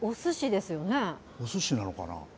おすしなのかな？